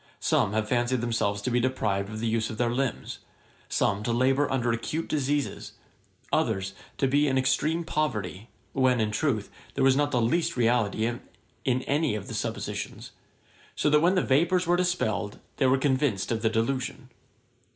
Some have fancied themselves to be deprived of the use of their limbs, some to labour under acute diseases, others to be in extreme poverty; when, in truth, there was not the least reality in any of the suppositions; so that when the vapours were dispelled, they were convinced of the delusion.